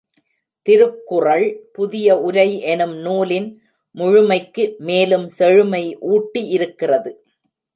திருக்குறள் புதிய உரை எனும் நூலின் முழுமைக்கு, மேலும் செழுமை ஊட்டி இருக்கிறது.